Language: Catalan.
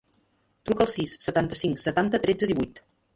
Truca al sis, setanta-cinc, setanta, tretze, divuit.